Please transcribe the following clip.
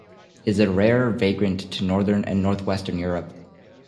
It is a rare vagrant to northern and north-western Europe.